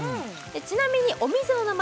ちなみにお店の名前